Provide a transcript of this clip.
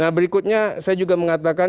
nah berikutnya saya juga mengatakan